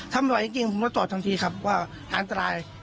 ถ้าไม่ไหวจริงผมก็ตอบทั้งทีครับว่าอาจร้าย